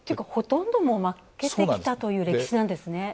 ほとんど負けてきたという歴史なんですね。